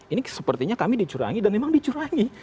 ini sepertinya kami dicurangi dan memang dicurangi